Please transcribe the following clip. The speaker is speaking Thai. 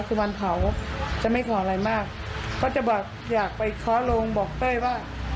คือวันเผาจะไม่ขออะไรมากเขาจะบอกอยากไปเคาะโรงบอกเต้ยว่า